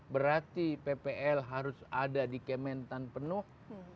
berarti ppl harus ada di kementan penuh